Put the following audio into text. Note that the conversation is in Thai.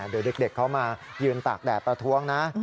เดี๋ยวเด็กเขามายืนตากแดดประท้วงนะ